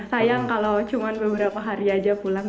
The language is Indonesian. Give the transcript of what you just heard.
sayang kalau cuma beberapa hari aja pulang